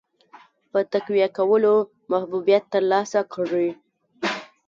په تقویه کولو محبوبیت ترلاسه کړي.